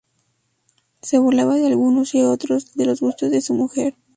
Se burlaba de algunos, y de otros, de los gustos de su mujer.